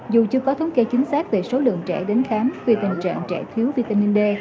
dù chưa có thống kê chính xác về số lượng trẻ đến khám vì tình trạng trẻ thiếu vitamin d